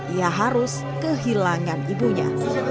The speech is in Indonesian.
ia harus kehilangan ibunya